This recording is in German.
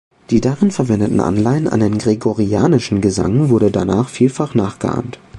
Die darin verwendeten Anleihen an den gregorianischen Gesang wurden danach vielfach nachgeahmt.